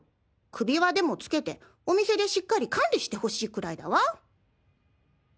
首輪でもつけてお店でしっかり管理してほしいくらいだわ。